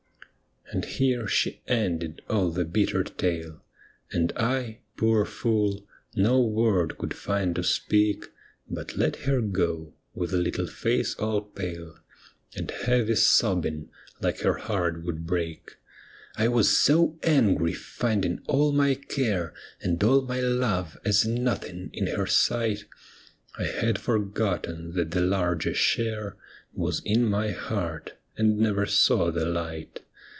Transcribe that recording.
' And here she ended all the bitter tale, And I, poor fool, no word could find to speak, But let her go, with little face all pale, And heavy sobbing like her heart would break. I was so angry, finding all my care And all my love as nothing in her sight, I had forgotten that the larger share Was in my heart, and never saw the light.